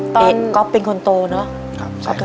ก๊อปเป็นคนโตเนอะ